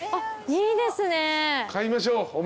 いいですね。